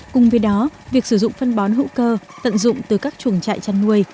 cùng với đó việc sử dụng phân bón hữu cơ tận dụng từ các chuồng trại chăn nuôi